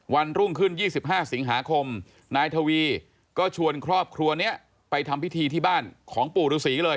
วันรุ่งขึ้น๒๕สิงหาคมนายทวีก็ชวนครอบครัวนี้ไปทำพิธีที่บ้านของปู่ฤษีเลย